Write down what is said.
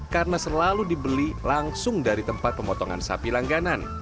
karena selalu dibeli langsung dari tempat pemotongan sapi langganan